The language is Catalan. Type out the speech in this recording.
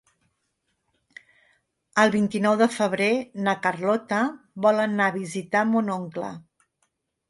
El vint-i-nou de febrer na Carlota vol anar a visitar mon oncle.